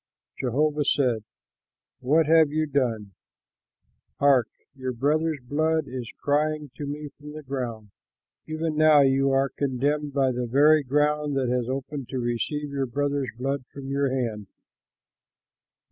Jehovah said, "What have you done? Hark! your brother's blood is crying to me from the ground. Even now you are condemned by the very ground that has opened to receive your brother's blood from your hand.